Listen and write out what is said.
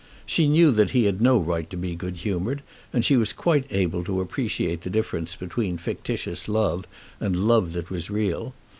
She knew that he had no right to be good humoured, and she was quite able to appreciate the difference between fictitious love and love that was real.